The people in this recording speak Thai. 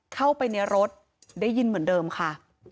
เข้าไปในรถได้ยินเหมือนเดิมค่ะ